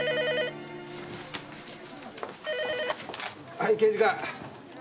はい刑事課。